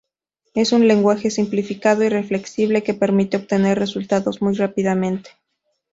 Es un lenguaje simplificado y flexible que permite obtener resultados muy rápidamente.